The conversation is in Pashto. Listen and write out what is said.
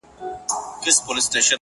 خلاصه خوله کي دوه غاښونه ځلېدلي!!